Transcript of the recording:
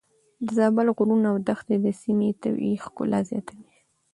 د زابل غرونه او دښتې د سيمې طبيعي ښکلا زياتوي.